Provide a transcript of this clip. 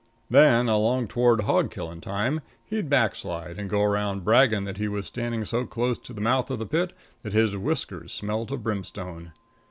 Then, along toward hog killing time, he'd backslide, and go around bragging that he was standing so close to the mouth of the pit that his whiskers smelt of brimstone.